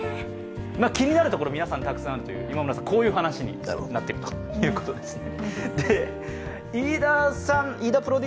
気になるところが皆さんたくさんあるという、こういう話になっているということですね。